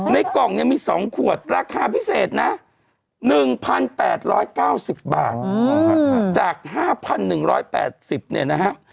ในกล่องนี้มี๒ขวดราคาพิเศษนะ๑๘๙๐บาทจาก๕๑๘๐บาทเนี่ยนะครับ